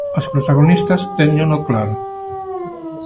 Os protagonistas téñeno claro.